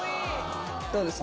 どうですか？